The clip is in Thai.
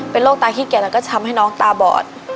เป็นโรคตาขี้แก่แล้วก็ทำให้น้องตาบอด